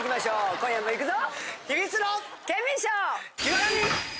今夜もいくぞ！